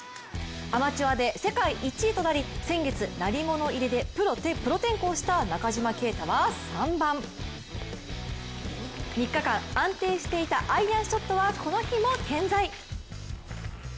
アマチュアで世界１位となり先月、鳴り物入りでプロ転向した中島啓太は３番、３日間、安定していたアイアンショットはこの日も健在。